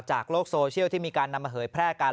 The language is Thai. โลกโซเชียลที่มีการนำมาเผยแพร่กัน